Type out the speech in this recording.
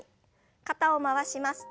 肩を回します。